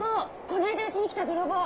この間うちに来た泥棒。